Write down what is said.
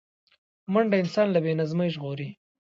منډه انسان له بې نظمۍ ژغوري